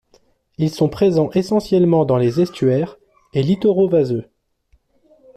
Ils sont présents essentiellement dans les estuaires, et littoraux vaseux.